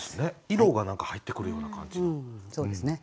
色が何か入ってくるような感じの気がします。